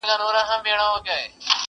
په دربار کي یې څو غټ سړي ساتلي!